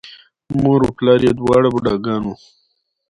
مور و پلار یې دواړه بوډاګان وو،